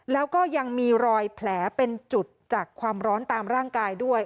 แล้วก็ยังมีรอยแผลเป็นจุดจากความร้อนตามร่างกายด้วย